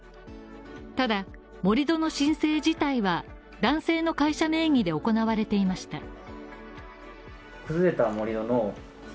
ただ、盛り土の申請自体は男性の会社名義で行われていました。